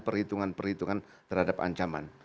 perhitungan perhitungan terhadap ancaman